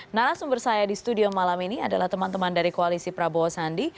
narasumber saya di studio malam ini adalah teman teman dari koalisi prabowo sandi